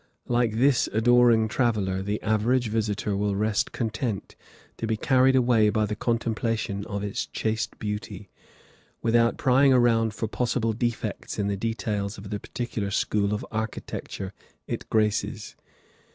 Like this adoring traveller, the average visitor will rest content to be carried away by the contemplation of its chaste beauty, without prying around for possible defects in the details of the particular school of architecture it graces.